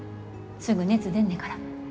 すぐ熱出んねから。